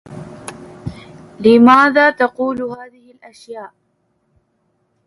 لماذا تقول هذه الأشياء؟